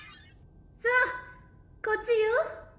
さあこっちよ。